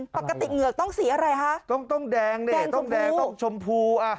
ปกติเหงือกต้องสีอะไรฮะต้องต้องแดงเนี้ยแดงชมพูต้องแดงต้องชมพูอ่ะ